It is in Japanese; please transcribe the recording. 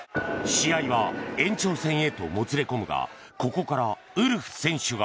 試合は延長戦へともつれ込むがここからウルフ選手が。